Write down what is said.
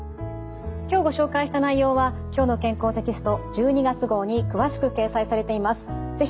今日ご紹介した内容は「きょうの健康」テキスト１２月号に詳しく掲載されています。